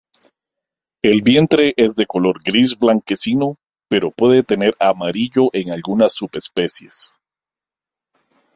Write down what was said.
El vientre es de color gris blanquecino, pero puede tener amarillo en algunas subespecies.